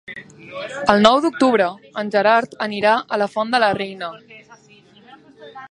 El nou d'octubre en Gerard anirà a la Font de la Reina.